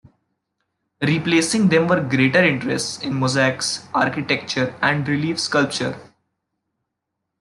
Replacing them were greater interests in mosaics, architecture, and relief sculpture.